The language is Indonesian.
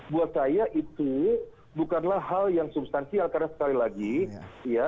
buat saya itu bukanlah hal yang substansial karena sekali lagi ya